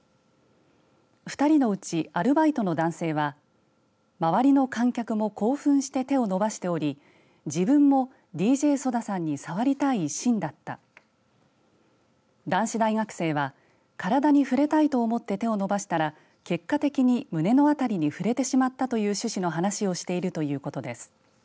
２人のうちアルバイトの男性は周りの観客も興奮して手を伸ばしており自分もＤＪＳＯＤＡさんに触りたい一心だった男子大学生は体に触れたいと思って手を伸ばしたら結果的に胸の辺りに触れてしまったという趣旨の話をしているということです。